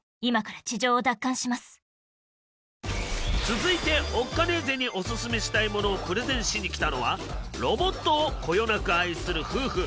続いてオッカネーゼにオススメしたいものをプレゼンしに来たのはロボットをこよなく愛する夫婦